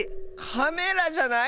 カメラじゃない？